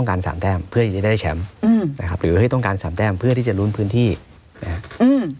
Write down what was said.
ได้แฉมอืมนะครับหรือว่าต้องการสามแต้มเพื่อที่จะลุนพื้นที่อืม